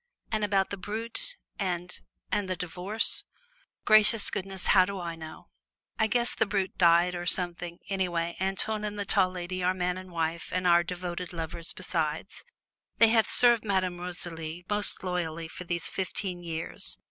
"And about the Brute and and the divorce!" "Gracious goodness! How do I know? I guess the Brute died or something; anyway, Antoine and the Tall Lady are man and wife, and are devoted lovers besides. They have served Madame Rosalie most loyally for these fifteen years.